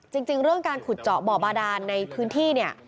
จริงเรื่องการขุดเจาะบ่อบาดานในพื้นที่เนี่ย